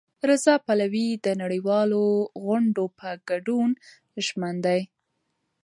رضا پهلوي د نړیوالو غونډو په ګډون ژمن دی.